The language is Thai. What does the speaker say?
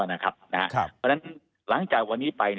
เพราะฉะนั้นหลังจากวันนี้ไป